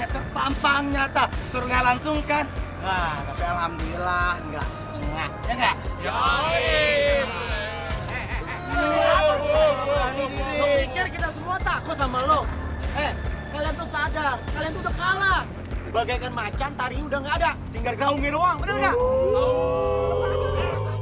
tinggal gaungin doang bener gak